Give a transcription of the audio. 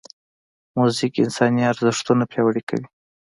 موزیک انساني ارزښتونه پیاوړي کوي.